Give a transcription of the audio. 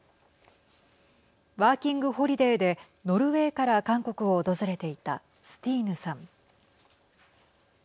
ワーキングホリデーでノルウェーから韓国を訪れていたスティーヌさん。